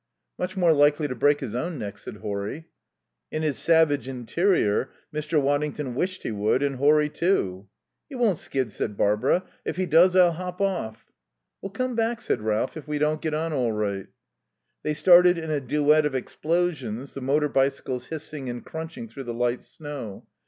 "Much more likely to break his own neck," said Horry. In his savage interior Mr. Waddington wished he would, and Horry too. "He won't skid," said Barbara; "if he does I'll hop off." "We'll come back," said Ralph, "if we don't get on all right." They started in a duet of explosions, the motor bicycles hissing and crunching through the light snow.